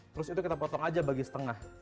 terus itu kita potong aja bagi setengah